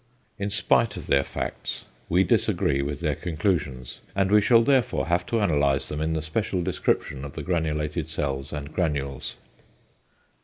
In spite of their facts we disagree with their conclusions; and we shall therefore have to analyse them in the special description of the granulated cells and granules.